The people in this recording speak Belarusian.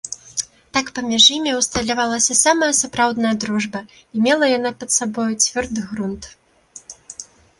Так паміж імі ўсталявалася самая сапраўдная дружба, і мела яна пад сабою цвёрды грунт.